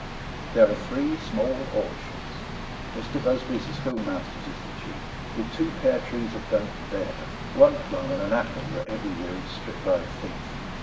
There are three small orchards Mr. Busby's the school master's is the chief With two pear trees that don't bear; one plum, and an apple that every year is stripped by a thief.